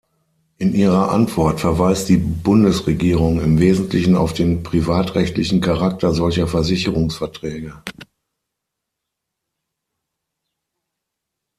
In ihrer Antwort verweist die Bundesregierung im Wesentlichen auf den privatrechtlichen Charakter solcher Versicherungsverträge.